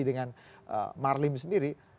dengan marlim sendiri